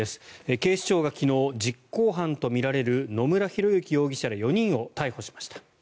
警視庁が昨日、実行犯とみられる野村広之容疑者ら４人を逮捕しました。